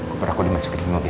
umur aku dimasukin di mobil